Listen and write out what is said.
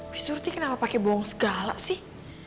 wih surty kenapa pakai bohong segala sih